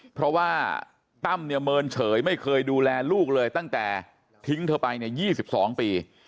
เพราะว่าตั้มเนี่ยเมินเฉยไม่เคยดูแลลูกเลยตั้งแต่ทิ้งเธอไปเนี่ย๒๒ปี